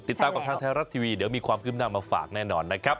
ติดตามกับทางไทยรัฐทีวีเดี๋ยวมีความขึ้นหน้ามาฝากแน่นอนนะครับ